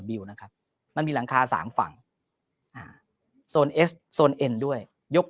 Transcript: วิวนะครับมันมีหลังคาสามฝั่งอ่าโซนเอสโซนเอ็นด้วยยก